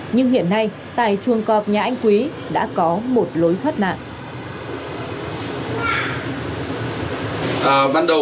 nhưng hiện nay tại chuồng cọp nhà anh quý đã có một lối thoát nạn